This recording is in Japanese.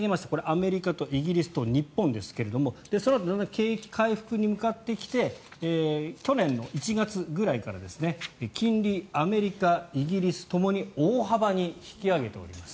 アメリカとイギリスと日本ですがそのあとだんだん景気回復に向かってきて去年１月くらいから金利、アメリカ、イギリスともに大幅に引き上げています。